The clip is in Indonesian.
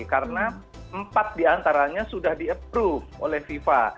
karena empat diantaranya sudah di approve oleh fifa